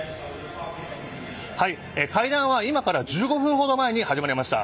会談は今から１５分ほど前に始まりました。